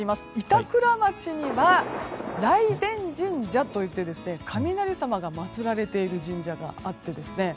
板倉町には雷電神社といって雷様がまつられている神社がありまして。